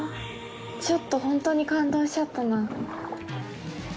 ちょっとほんとに感動しちゃったな。